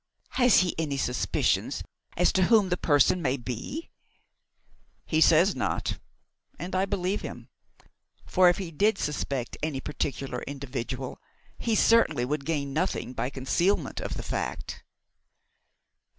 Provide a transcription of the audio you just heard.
"Has he any suspicions as to whom the person may be?" "He says not, and I believe him; for if he did suspect any particular individual he certainly would gain nothing by concealment of the fact."